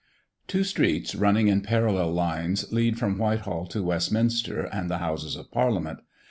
Two streets running in parallel lines lead from Whitehall to Westminster and the Houses of Parliament.